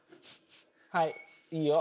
はいいいよ。